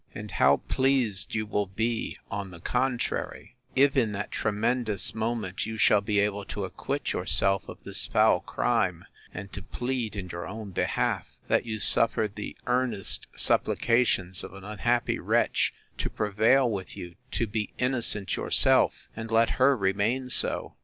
And how pleased you will be, on the contrary, if in that tremendous moment you shall be able to acquit yourself of this foul crime, and to plead in your own behalf, that you suffered the earnest supplications of an unhappy wretch to prevail with you to be innocent yourself, and let her remain so!